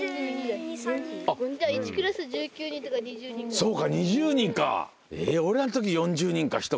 そうか２０人か。